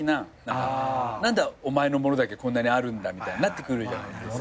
何でお前のものだけこんなにあるんだみたいになってくるじゃないですか。